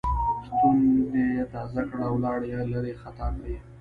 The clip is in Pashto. ستونی یې تازه کړ او لاړې یې لېرې خطا کړې.